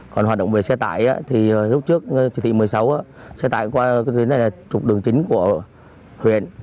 còn hoạt động về xe tải thì lúc trước trực thị một mươi sáu xe tải qua trục đường chính của huyện